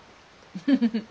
フフフフ。